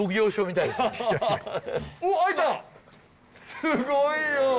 すごいよ！